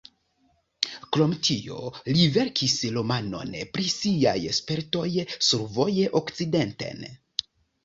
Krom tio, li verkis romanon pri siaj spertoj survoje okcidenten.